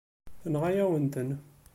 Tenɣa-yawen-ten.